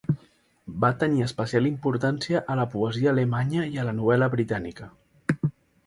Va tenir especial importància a la poesia alemanya i la novel·la britànica.